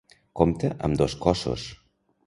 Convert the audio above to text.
Compta amb dos cossos.